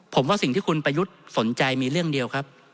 ผมว่าสิ่งที่คุณประยุทธ์สนใจมีเรื่องเดียวครับ